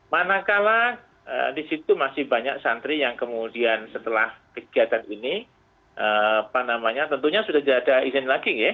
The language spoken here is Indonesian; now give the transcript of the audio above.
manakala di situ masih banyak santri yang kemudian setelah kegiatan ini apa namanya tentunya sudah tidak ada izin lagi ya